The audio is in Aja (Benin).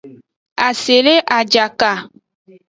Ase le ajaka.